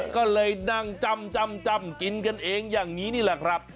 ก็เลยนั่งจ้ำกินกันเองอย่างนี้นี่แหละครับ